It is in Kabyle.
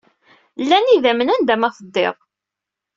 Llan yidammen anda ma teddid.